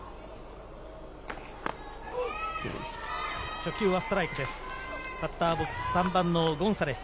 初球はストライクです。